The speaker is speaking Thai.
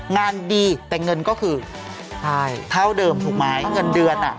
งานดีแต่เงินก็คือใช่เท่าเดิมถูกไหมเงินเดือนอ่ะ